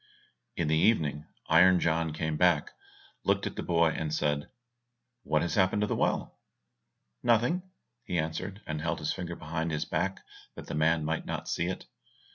In the evening Iron John came back, looked at the boy, and said, "What has happened to the well?" "Nothing, nothing," he answered, and held his finger behind his back, that the man might not see it.